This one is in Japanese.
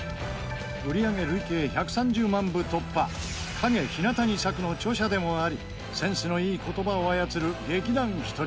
売り上げ累計１３０万部突破『陰日向に咲く』の著者でもありセンスのいい言葉を操る劇団ひとり。